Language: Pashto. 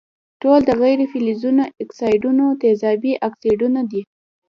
ټول د غیر فلزونو اکسایدونه تیزابي اکسایدونه دي.